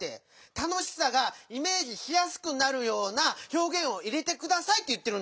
たのしさがイメージしやすくなるようなひょうげんを入れてくださいっていってるんですよ。